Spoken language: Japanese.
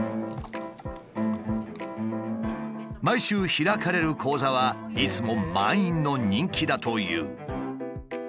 毎週開かれる講座はいつも満員の人気だという。